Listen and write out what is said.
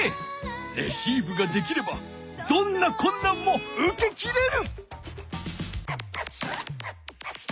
レシーブができればどんなこんなんもうけきれる！